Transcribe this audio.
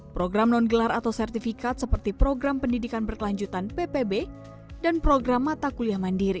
program non gelar atau sertifikat seperti program pendidikan berkelanjutan ppb dan program mata kuliah mandiri